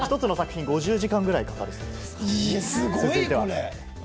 １つの作品に５０時間かかるそうです。